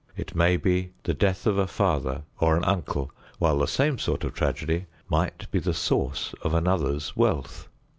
It may be the death of a father or an uncle, while the same sort of tragedy might be the source of another's wealth.